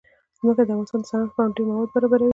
ځمکه د افغانستان د صنعت لپاره ډېر مواد برابروي.